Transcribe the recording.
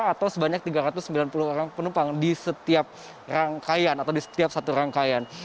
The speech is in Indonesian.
atau sebanyak tiga ratus sembilan puluh orang penumpang di setiap rangkaian atau di setiap satu rangkaian